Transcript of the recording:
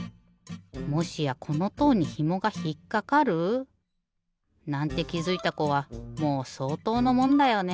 もしやこのとうにひもがひっかかる？なんてきづいたこはもうそうとうのもんだよね。